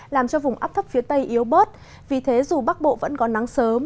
làm cho vùng áp thấp phía tây yếu bớt vì thế dù bắc bộ vẫn có nắng sớm